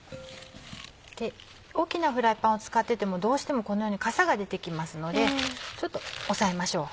大きなフライパンを使っててもどうしてもこのようにかさが出て来ますのでちょっと押さえましょう。